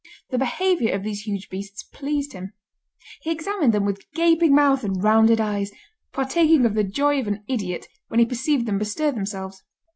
The behaviour of these huge beasts pleased him. He examined them with gaping mouth and rounded eyes, partaking of the joy of an idiot when he perceived them bestir themselves.